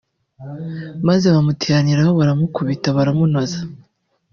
maze bamuteraniraho baramukubita baramunoza”